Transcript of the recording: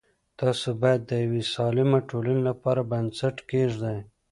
تاسو باید د یوې سالمه ټولنې لپاره بنسټ کېږدئ.